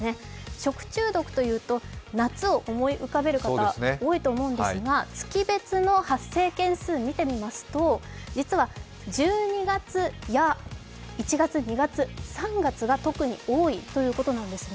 食中毒というと、夏を思い浮かべる方、多いと思うんですが月別の発生件数見てみますと実は１２月や１月、２月、３月が特に多いということなんですね。